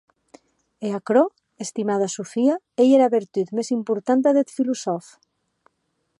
E aquerò, estimada Sofia, ei era vertut mès importanta deth filosòf.